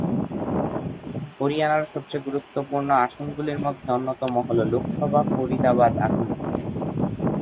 হরিয়ানার সবচেয়ে গুরুত্বপূর্ণ আসনগুলির মধ্যে অন্যতম হল লোকসভা ফরিদাবাদ আসনটি।